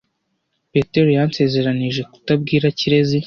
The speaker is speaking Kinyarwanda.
Petero yansezeranije kutabwira Kirezi .